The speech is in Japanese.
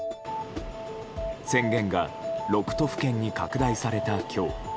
宣言が６都府県に拡大された今日